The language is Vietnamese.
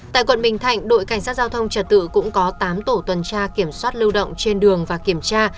tại quận bình thạnh đội cảnh sát giao thông trật tự cũng có tám tổ tuần tra kiểm soát lưu động trên đường và kiểm tra